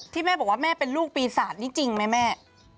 แม่บอกว่าแม่เป็นลูกปีศาจนี่จริงไหมแม่